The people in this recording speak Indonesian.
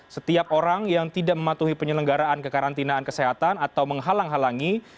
setiap orang yang tidak mematuhi penyelenggaraan kekarantinaan kesehatan atau menghalang halangi